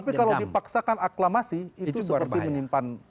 tapi kalau dipaksakan aklamasi itu seperti menyimpan